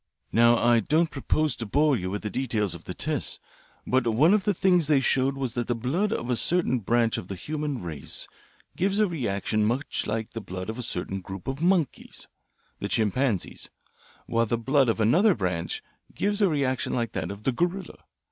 Now I don't propose to bore you with the details of the tests, but one of the things they showed was that the blood of a certain branch of the human race gives a reaction much like the blood of a certain group of monkeys, the chimpanzees, while the blood of another branch gives a reaction like that of the gorilla.